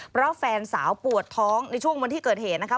เพราะแฟนสาวปวดท้องในช่วงวันที่เกิดเหตุนะคะ